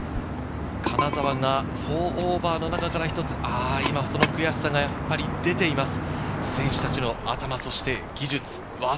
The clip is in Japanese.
金澤が＋４の中から一つ、今、その悔しさが出ています。